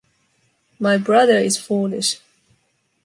My brother is foolish.